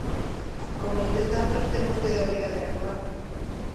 Con estes datos ten vostede a obriga de actuar.